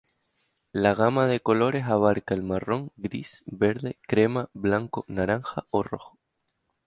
La gama de colores abarca el marrón, gris, verde, crema, blanco, naranja o rojo.